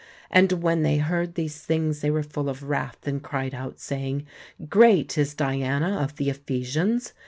And when they heard these things they were full of wrath, and cried out, saying, Great is Diana of the Ephesians.